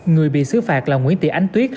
người bị xứ phạt là nguyễn tị ánh tuyết